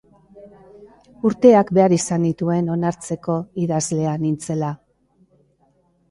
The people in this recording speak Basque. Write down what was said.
Urteak behar izan nituen onartzeko idazlea nintzela.